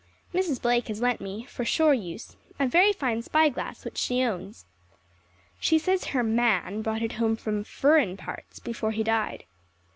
Mrs. Blake has lent me, for shore use, a very fine spyglass which she owns. She says her "man" brought it home from "furrin' parts" before he died.